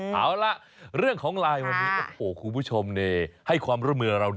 ครับเอาล่ะเรื่องของไลน์วันนี้โอ้โฮครูผู้ชมนี่ให้ความล้อมเมืองเหมาะ